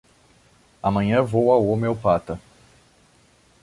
Amanhã vou ao homeopata.